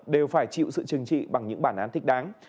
đều phải chịu sự chừng trị bằng những bản án thích đáng